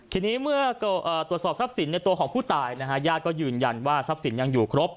ทีนี้เมื่อตรวจสอบทรัพย์สินในตัวของผู้ตายนะฮะญาติก็ยืนยันว่าทรัพย์สินยังอยู่ครบ